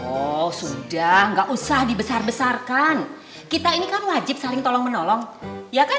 oh sudah enggak usah dibesar besarkan kita ini kan wajib saling tolong menolong ya kan